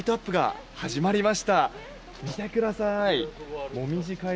見てください。